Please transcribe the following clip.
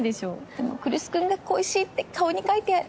でも来栖君が恋しいって顔に書いてある。